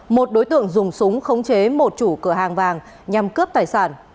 một đối tượng dùng súng khống chế một chủ cửa hàng vàng nhằm cướp tài sản